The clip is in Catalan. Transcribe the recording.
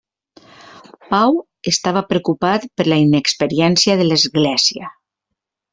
Pau estava preocupat per la inexperiència de l'Església.